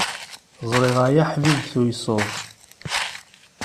Ẓriɣ ay aḥbib tuyseḍ.